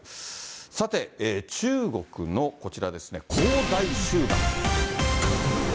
さて、中国のこちらですね、恒大集団。